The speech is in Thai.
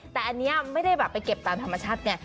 แต่อันนี้ไม่ได้แบบไปเก็บตามธรรมชาติไง